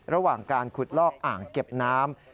ระหว่างการขุดลอกอ่างเก็บน้ำ